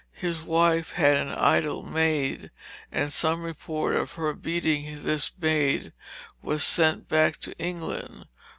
His wife had an idle maid, and some report of her beating this maid was sent back to England.